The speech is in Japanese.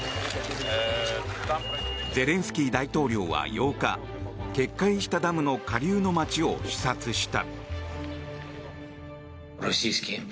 ゼレンスキー大統領は８日決壊したダムの下流の街を視察した。